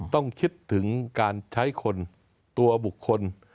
ต้องคิดถึงการใช้คนตัวบุคคล